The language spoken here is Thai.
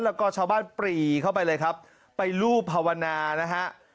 แล้วก็ชาวบ้านปรีเข้าไปเลยครับไปรูปภาวนานะฮะ